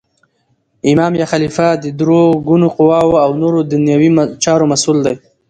امام یا خلیفه د درو ګونو قوواو او نور دنیوي چارو مسول دی.